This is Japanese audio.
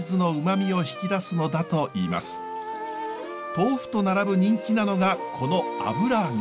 豆腐と並ぶ人気なのがこの油揚げ。